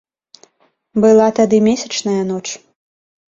Была тады месячная ноч.